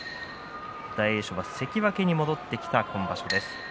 大栄翔は関脇に戻ってきた今場所です。